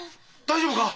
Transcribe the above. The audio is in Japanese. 大丈夫か？